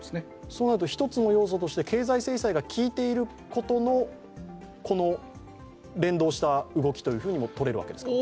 そうなると１つの要素として経済制裁が効いていることとの連動した動きともとれるわけですか。